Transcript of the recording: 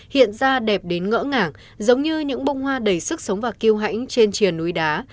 hiện ra đẹp đến ngỡ ngàng giống như những bông hoa đầy sức sống và kêu hãnh trên triền núi đá